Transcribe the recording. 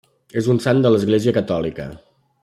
És un sant de l'Església Catòlica.